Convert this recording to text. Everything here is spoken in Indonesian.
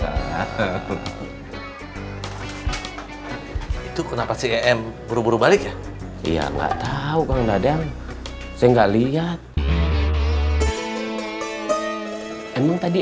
hai itu kenapa si em buru buru balik ya iya nggak tahu kang dadeng saya nggak lihat emang tadi